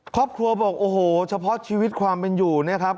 ครอบครัวบอกโอ้โหเฉพาะชีวิตความเป็นอยู่เนี่ยครับ